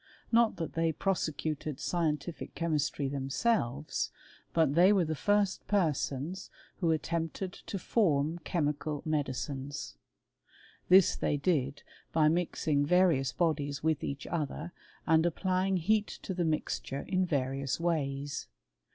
Not that they prosecuted scientific che^; mistry themselves ; but they were the first persons whd* attempted to form chemical medicines. This they did^ by mixing various bodies with each other, and applying"' heat to the mixture in various ways.